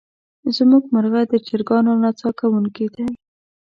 زمونږ مرغه د چرګانو نڅا کوونکې دی.